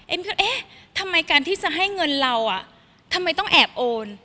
เอ๊ะทำไมการที่จะให้เงินเราอ่ะทำไมต้องแอบโอน